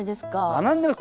学んでます！